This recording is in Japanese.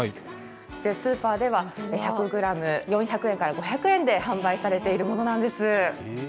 スーパーでは１００ｇ４００円から５００円で販売されているものなんです。